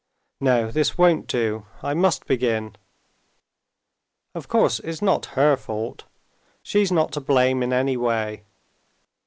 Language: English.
No, this won't do; I must begin. Of course, it's not her fault. She's not to blame in any way.